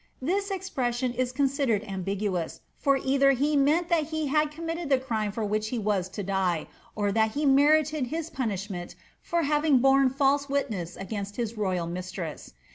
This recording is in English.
^ This expression is considered ambiguous, for either he meant that he had committed the crime for M'liich he m'ss to die, or that he merited his punishment for having borne fiilse witness against his royal mistress.